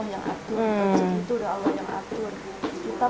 tentu itu udah allah yang atur